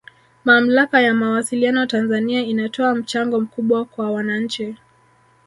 Mamlaka ya Mawasiliano Tanzania inatoa mchango mkubwa kwa wananchi